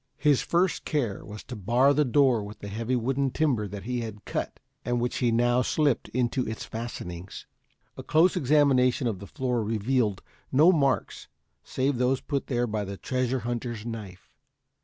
His first care was to bar the door with the heavy wooden timber that he had cut and which he now slipped into its fastenings. A close examination of the floor revealed no marks save those put there by the treasure hunter's knife.